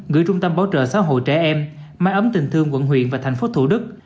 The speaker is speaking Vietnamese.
gửi trung tâm bảo trợ xã hội trẻ em mang ấm tình thương quận huyện và thành phố thủ đức